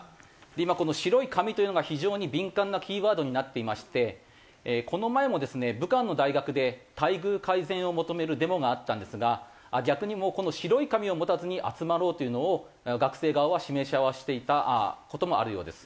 今この白い紙というのが非常に敏感なキーワードになっていましてこの前もですね武漢の大学で待遇改善を求めるデモがあったんですが逆にもうこの白い紙を持たずに集まろうというのを学生側は示し合わせていた事もあるようです。